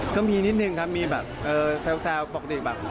ก็มีนิดนึงครับมีแบบแซวบอกเด็กแบบ